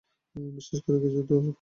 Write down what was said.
বিশেষ কিছু তো ফল হল না।